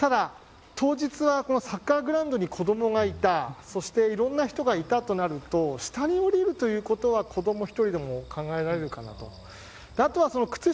かなり危険ということが分かるんですがただ、当日はサッカーグラウンドに子どもがいたそしていろんな人がいたとなると下に降りるということは子ども１人でも考えられるかなと。